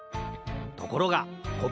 ところがこ